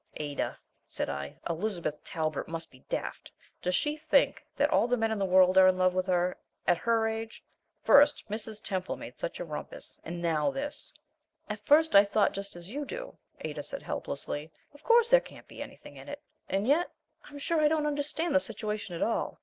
"Ada," said I, "Elizabeth Talbert must be daft! Does she think that all the men in the world are in love with her at her age? First Mrs. Temple making such a rumpus, and now this " "At first I thought just as you do," Ada said, helplessly. "Of course there can't be anything in it and yet I'm sure I don't understand the situation at all.